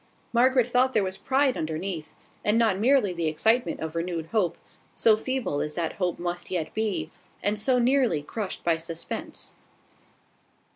Margaret thought there was pride underneath, and not merely the excitement of renewed hope, so feeble as that hope must yet be, and so nearly crushed by suspense.